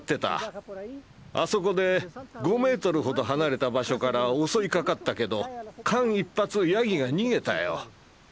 あそこで５メートルほど離れた場所から襲いかかったけど間一髪ヤギが逃げたよ。